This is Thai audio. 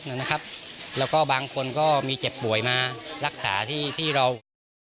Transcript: นะครับแล้วก็บางคนก็มีเจ็บป่วยมารักษาที่ที่เรา